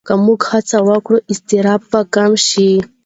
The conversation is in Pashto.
که موږ هڅه وکړو، اضطراب به کم شي.